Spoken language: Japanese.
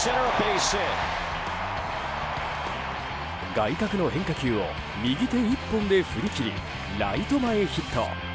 外角の変化球を右手一本で振り切りライト前ヒット。